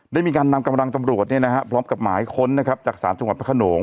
ได้มีการนำกำลังตำรวจพร้อมกับหมายค้นนะครับจากศาลจังหวัดพระขนง